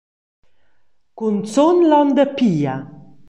Cunzun l’onda Pia.